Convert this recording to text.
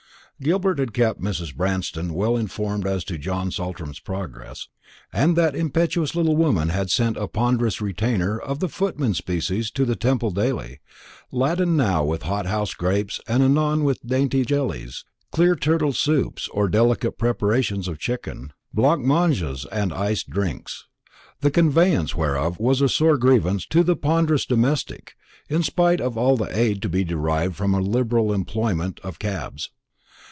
Gilbert had kept Mrs. Branston very well informed as to John Saltram's progress, and that impetuous little woman had sent a ponderous retainer of the footman species to the Temple daily, laden now with hothouse grapes, and anon with dainty jellies, clear turtle soups, or delicate preparations of chicken, blancmanges and iced drinks; the conveyance whereof was a sore grievance to the ponderous domestic, in spite of all the aid to be derived from a liberal employment of cabs.